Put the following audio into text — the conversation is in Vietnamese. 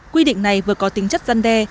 quy định này vừa có tính chất dân đe